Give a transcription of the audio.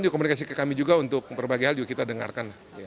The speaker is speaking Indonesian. komunikasi ke kami juga untuk berbagai hal juga kita dengarkan